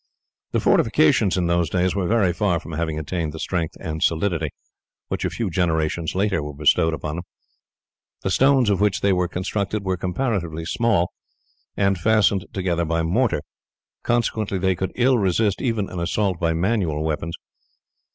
The fortifications in those days were very far from having attained the strength and solidity which a few generations later were bestowed upon them. The stones of which they were constructed were comparatively small, and fastened together by mortar, consequently they could ill resist even an assault by manual weapons.